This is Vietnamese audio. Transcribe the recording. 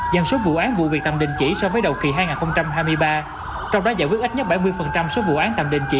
giảm số vụ án vụ việc tạm đình chỉ so với đầu kỳ hai nghìn hai mươi ba trong đó giải quyết ít nhất bảy mươi số vụ án tạm đình chỉ